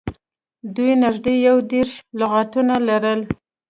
دوی نږدې یو دېرش لغاتونه یې لرل